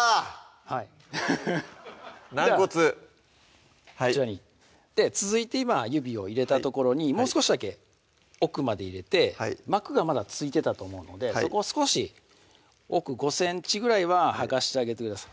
はいフフフッ軟骨ではこちらに続いて今指を入れた所にもう少しだけ奥まで入れて膜がまだ付いてたと思うのでそこを少し奥５ｃｍぐらいは剥がしてあげてください